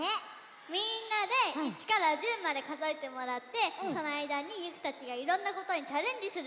みんなで１から１０までかぞえてもらってそのあいだにゆきたちがいろんなことにチャレンジするゲームだよ。